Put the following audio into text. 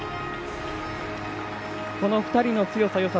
この２人の強さ、よさ